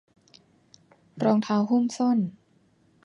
รองเท้าหุ้มส้น